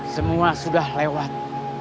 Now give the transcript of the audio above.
semua sudah lewat